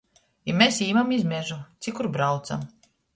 I mes īmam iz mežu ci kur braucam.